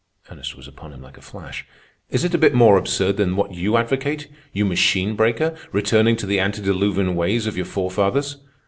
Ernest was upon him like a flash. "Is it a bit more absurd than what you advocate, you machine breaker, returning to the antediluvian ways of your forefathers?